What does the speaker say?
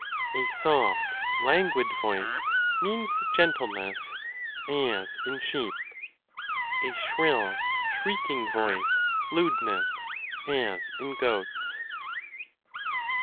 A soft, languid voice means gentleness, as in s sheep : a shrill, shrieking voice, lewdness, as in goats.